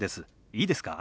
いいですか？